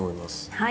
はい。